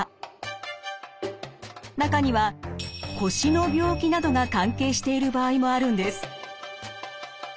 中には腰の病気などが関係している場合もあるんです。